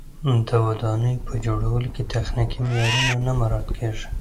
د ودانیو په جوړولو کې تخنیکي معیارونه نه مراعت کېږي.